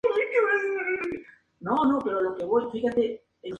En esta situación las ideas de Locke se presentan como más igualitarias.